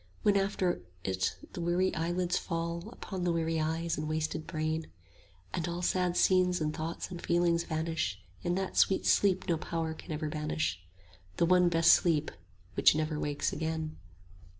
30 When after it the weary eyelids fall Upon the weary eyes and wasted brain; And all sad scenes and thoughts and feelings vanish In that sweet sleep no power can ever banish, That one best sleep which never wakes again.